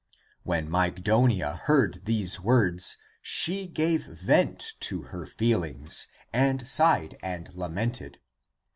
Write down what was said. When Mygdonia. heard these words, she gave vent to her feelings and sighed and lamented.